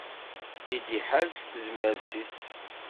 I d-iḥal s tezmert-is.